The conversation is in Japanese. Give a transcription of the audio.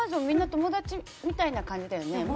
みんな友達みたいな感じだよね。